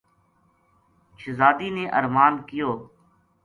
شہزادی نے ارماند کیو